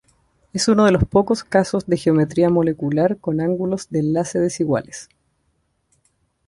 Es uno de los pocos casos de geometría molecular con ángulos de enlace desiguales.